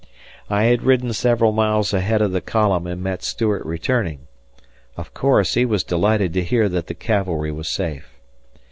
I had ridden several miles ahead of the column and met Stuart returning. Of course, he was delighted to hear that the cavalry was safe.